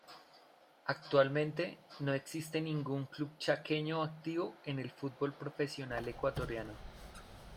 Actualmente, no existe ningún club chaqueño activo en el fútbol profesional ecuatoriano.